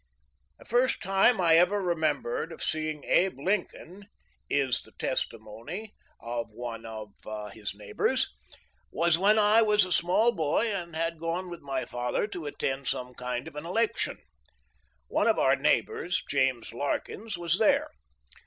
" The first time I ever remem ber of seeing Abe Lincoln," is the testimony of one 45 45 THE LIFE OF LINCOLN. of his neighbors,* " was when I was a small boy and had gone with my father to attend some kind of an election. One of our neighbors, James Larkins, was there.